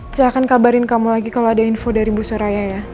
saya akan kabarin kamu lagi kalau ada info dari bu soraya ya